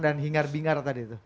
dan hingar bingar tadi itu